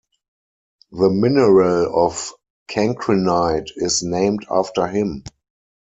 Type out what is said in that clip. The mineral of cancrinite is named after him.